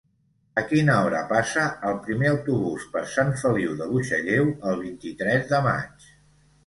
A quina hora passa el primer autobús per Sant Feliu de Buixalleu el vint-i-tres de maig?